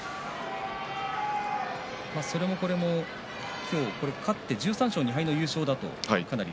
それもこれも今日勝って１３勝２敗の優勝だと。